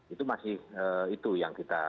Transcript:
itu masih itu yang kita